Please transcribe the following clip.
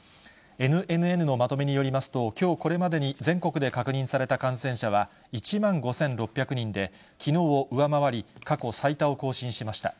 ＮＮＮのまとめによりますと、きょうこれまでに全国で確認された感染者は１万５６００人で、きのうを上回り、過去最多を更新しました。